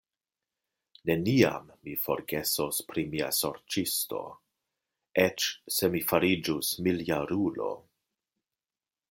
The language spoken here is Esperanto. Neniam mi forgesos pri mia sorĉisto, eĉ se mi fariĝus miljarulo.